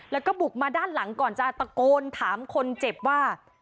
แล้วก็บุกมาด้านหลังก่อนจะตะโกนถามคนเจ็บว่า